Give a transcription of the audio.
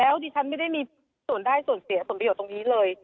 แล้วดิฉันไม่ได้มีส่วนได้ส่วนเสียส่วนผิดอยู่ตรงนี้เลย